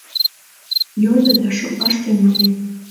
— йодо да шотлаш тӱҥале.